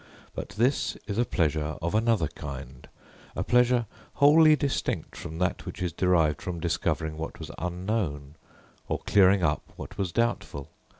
But this is a pleasure of another kind a pleasure wholly distinct from that which is derived from discovering what was unknown, or clearing up what was doubtful.